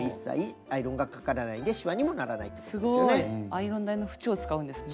アイロン台の縁を使うんですね。